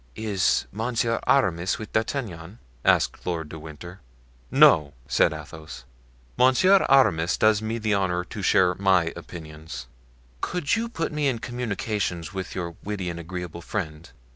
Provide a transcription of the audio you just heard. "Is Monsieur Aramis with D'Artagnan?" asked Lord de Winter. "No," said Athos; "Monsieur Aramis does me the honor to share my opinions." "Could you put me in communication with your witty and agreeable friend?